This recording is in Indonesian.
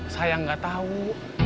saya gak tahu